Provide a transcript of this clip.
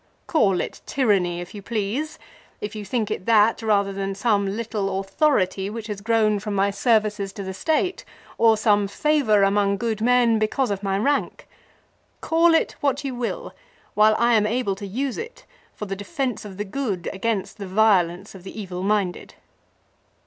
" Call it tyranny if you please, if you think it that, rather than some little authority which has grown from my services to the State, or some favour among good men because of my rank. Call it what you will, while I am able to use it for the defence of the good against the violence of the evil minded."